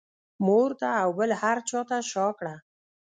مور ته او بل هر چا ته شا کړه.